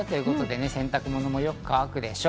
洗濯物もよく乾くでしょう。